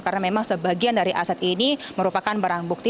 karena memang sebagian dari aset ini merupakan barang bukti